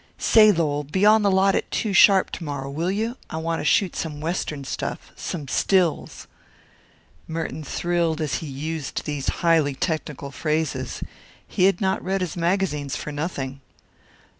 "Say, Lowell, be on the lot at two sharp to morrow, will you? I want to shoot some Western stuff some stills." Merton thrilled as he used these highly technical phrases. He had not read his magazines for nothing.